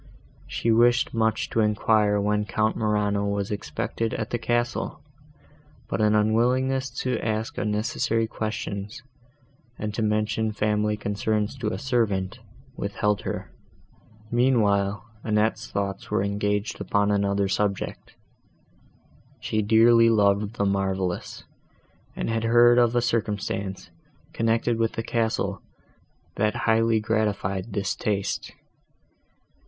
She wished much to enquire when Count Morano was expected at the castle, but an unwillingness to ask unnecessary questions, and to mention family concerns to a servant, withheld her. Meanwhile, Annette's thoughts were engaged upon another subject: she dearly loved the marvellous, and had heard of a circumstance, connected with the castle, that highly gratified this taste.